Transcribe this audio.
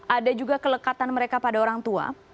ada juga kelekatan mereka pada orang tua